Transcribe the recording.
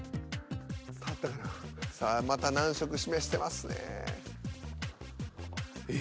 さあまた難色示してますねぇ。